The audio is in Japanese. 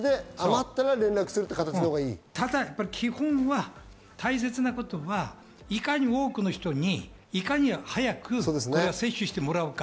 ただ基本は、大切なことはいかに多くの人にいかに早く接種してもらうか。